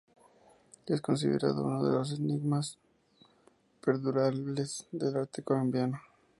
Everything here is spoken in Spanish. Es considerado uno de los enigmas perdurables del arte colombiano.